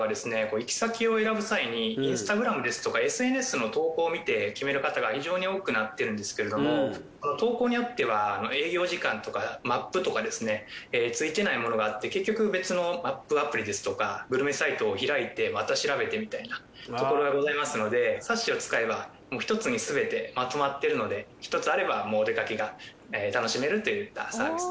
行き先を選ぶ際にインスタグラムですとかＳＮＳの投稿を見て決める方が非常に多くなってるんですけれども投稿によっては営業時間とかマップとかですね付いてないものがあって結局別のマップアプリですとかグルメサイトを開いてまた調べてみたいなところがございますのでＳａｓｓｙを使えばもうひとつにすべてまとまってるのでひとつあればもうお出かけが楽しめるといったサービス。